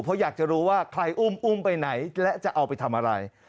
เพราะอยากจะรู้ว่าใครอุ้มอุ้มไปไหนและจะเอาไปทำอะไร